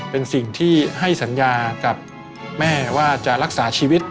เป็นสิ่งที่ให้สัญญากับแม่ว่าจะรักษาชีวิต